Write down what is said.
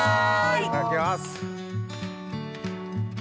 いただきます。